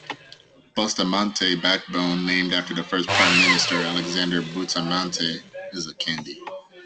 Bustamante Backbone, named after the first Prime Minister Alexander Bustamante, is a candy.